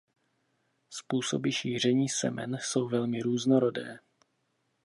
Způsoby šíření semen jsou velmi různorodé.